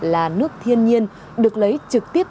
là nước thiên nhiên được lấy trực tiếp